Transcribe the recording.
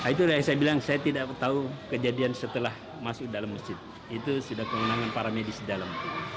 itu yang saya bilang saya tidak tahu kejadian setelah masuk dalam masjid itu sudah kewenangan para medis di dalam